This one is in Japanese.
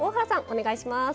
お願いします。